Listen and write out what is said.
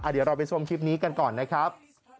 เดี๋ยวเราไปชมคลิปนี้กันก่อนนะครับ